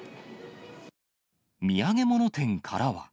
土産物店からは。